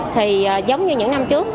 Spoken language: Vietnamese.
thì giống như những năm trước